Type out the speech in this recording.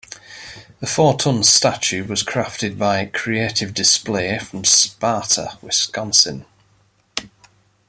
The four-ton statue was crafted by Creative Display from Sparta, Wisconsin.